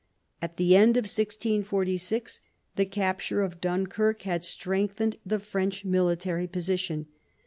At the end of 1646 the capture of Dunkirk had strengthened the French military position.